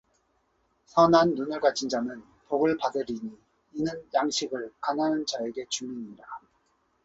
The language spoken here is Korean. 선한 눈을 가진 자는 복을 받으리니 이는 양식을 가난한 자에게 줌이니라